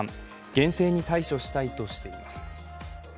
厳正に対処したいとしています。